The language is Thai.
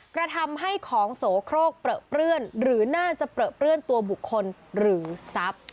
กระทำให้ของโสโครกเปลื้อเปื้อนหรือน่าจะเปลือเปลื้อนตัวบุคคลหรือทรัพย์